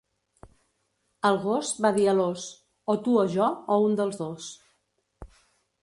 El gos va dir a l'ós: o tu o jo, o un dels dos.